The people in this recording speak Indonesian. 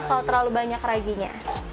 kalau terlalu banyak raginya